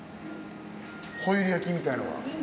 ホイル焼きみたいのは。